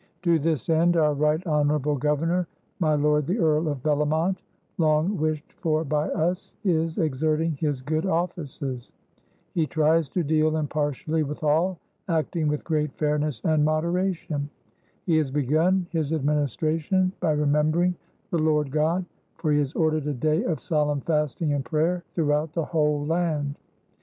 To this end our Right Honorable Governor, my lord the Earl of Bellomont, long wished for by us, is exerting his good offices. He tries to deal impartially with all, acting with great fairness and moderation. He has begun [his administration] by remembering the Lord God; for he has ordered a day of solemn fasting and prayer throughout the whole land.